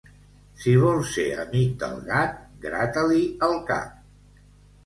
Si vols ser amic del gat, grata-li el cap.